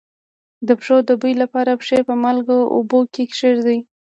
د پښو د بوی لپاره پښې په مالګه اوبو کې کیږدئ